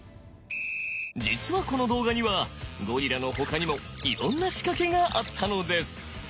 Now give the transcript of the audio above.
実はこの動画にはゴリラのほかにもいろんな仕掛けがあったのです！